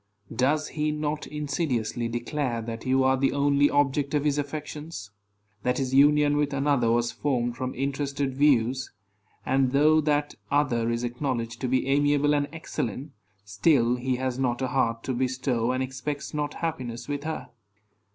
Does he not insidiously declare that you are the only object of his affections; that his union with another was formed from interested views; and, though that other is acknowledged to be amiable and excellent, still he has not a heart to bestow, and expects not happiness with her?